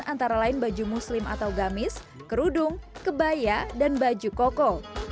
antara lain baju muslim atau gamis kerudung kebaya dan baju koko